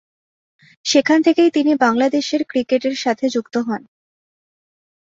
সেখান থেকেই তিনি বাংলাদেশের ক্রিকেটের সাথে যুক্ত হন।